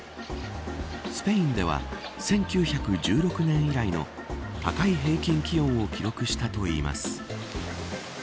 スペインでは１９１６年以来の高い平均気温を記録したといいます。